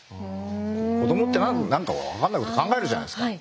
子どもって何か分かんないこと考えるじゃないですか。